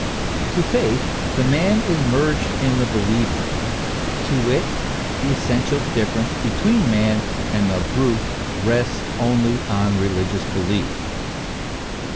To faith, the man is merged in the believer; to it, the essential difference between man and the brute rests onlyron religious belief.